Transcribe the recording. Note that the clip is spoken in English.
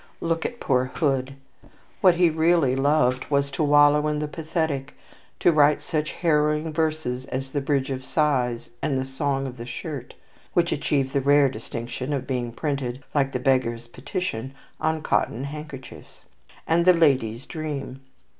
Look at poor Hood. What he really loved was to wallow in the pathetic, to write such harrowing verses as the "Bridge of Sighs," and the "Song of the Shirt" (which achieved the rare distinction of being printed like the "Beggar's Petition" on cotton handkerchiefs), and the "Lady's Dream."